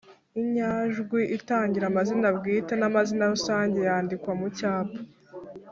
Inyajwi itangira amazina bwite n’ amazina rusange yandikwa mucyapa